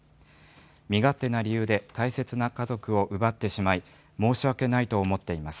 身勝手な理由で大切な家族を奪ってしまい、申し訳ないと思っています。